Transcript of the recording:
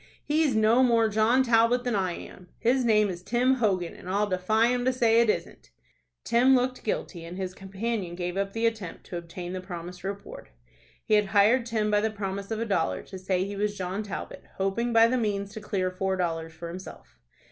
He's no more John Talbot than I am. His name is Tim Hogan, and I'll defy him to say it isn't." Tim looked guilty, and his companion gave up the attempt to obtain the promised reward. He had hired Tim by the promise of a dollar to say he was John Talbot, hoping by the means to clear four dollars for himself.